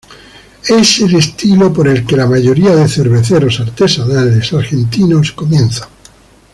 Es el estilo por el que la mayoría de cerveceros artesanales argentinos comienza.